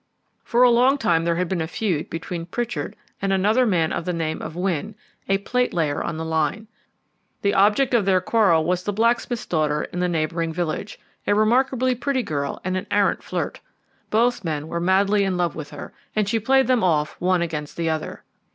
"For a long time there had been a feud between Pritchard and another man of the name of Wynne, a platelayer on the line. The object of their quarrel was the blacksmith's daughter in the neighbouring village a remarkably pretty girl and an arrant flirt. Both men were madly in love with her, and she played them off one against the other.